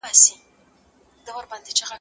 د مالونو ذخیره کول ښه کار نه دی.